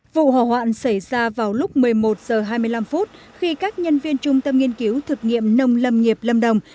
vụ hỏa hoạn xảy ra vào lúc một mươi một h hai mươi năm khi các nhân viên trung tâm nghiên cứu thực nghiệm nông lâm nghiệp lâm đồng